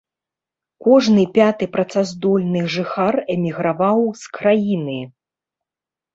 Кожны пяты працаздольны жыхар эміграваў з краіны.